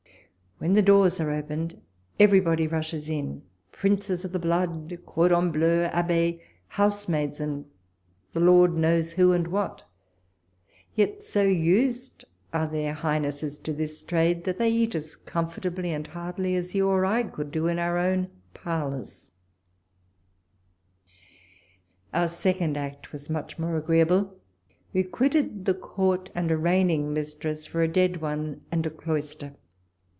When the doors are opened, everybody rushes in, princes of the blood, cordons bleus, abbes, housemaids, and the Lord knows who and what. Yet, so used are their highnesses to this trade, that they eat as comfortably and heartily as you or I could do in our own parlours. Our second act was much more agreeable. We quitted the Court and a reigning mistress, for a dead one and a Cloister.